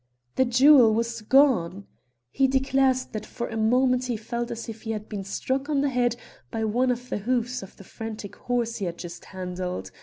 The jewel was gone. He declares that for a moment he felt as if he had been struck on the head by one of the hoofs of the frantic horse he had just handled.